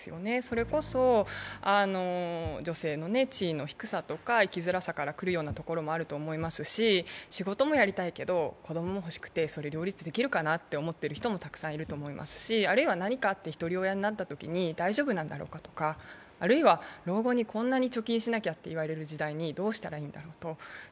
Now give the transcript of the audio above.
それこそ女性の地位の低さとか生きづらさからくることもあると思いますし仕事もやりたいけど、子供も欲しくて、両立できるかなと思ってる人もいると思いますし、あるいは何かあって、ひとり親になったときに大丈夫なんだろうとか、あるいは老後にこんなに貯金しなきゃといわれる時代にどうしたらいいのかとか。